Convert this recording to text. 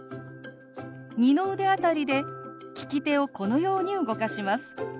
二の腕辺りで利き手をこのように動かします。